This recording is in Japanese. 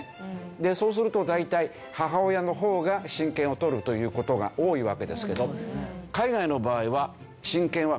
でそうすると大体母親の方が親権を取るという事が多いわけですけど海外の場合は親権は共同親権。